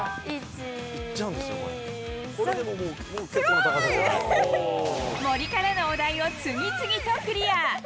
すごい！森からのお題を次々とクリア。